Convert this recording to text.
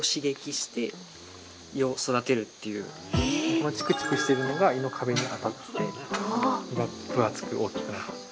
このチクチクしてるのが胃の壁に当たって胃が分厚く大きくなる。